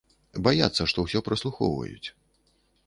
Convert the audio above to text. Баяцца, што ўсё праслухоўваюць.